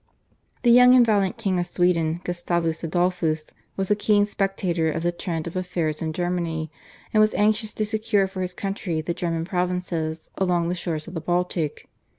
The young and valiant king of Sweden, Gustavus Adolphus, was a keen spectator of the trend of affairs in Germany, and was anxious to secure for his country the German provinces along the shores of the Baltic.